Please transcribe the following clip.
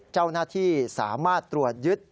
เจ้าหน้าที่สามารถตรวจยึด